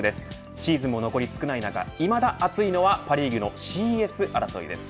シーズンも残り少ない中いまだ熱いのはパ・リーグのＣＳ争いです。